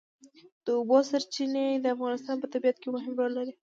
د اوبو سرچینې د افغانستان په طبیعت کې مهم رول لري.